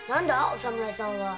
お侍さんは？